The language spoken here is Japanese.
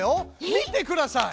見てください！